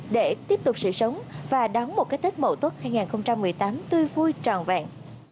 để tiếp tục sử sống và đón một cái tết mẫu tốt hai nghìn một mươi tám tươi vui tròn vẹn